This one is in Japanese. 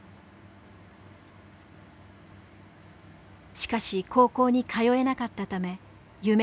しかし高校に通えなかったため夢を断念。